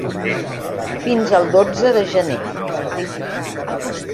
Fins el dotze de gener.